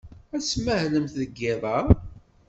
Ad tmahlemt deg yiḍ-a?